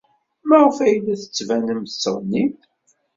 Maɣef ay la d-tettbanem tenneɣnim?